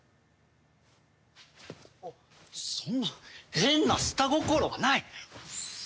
そんな変な下心はない！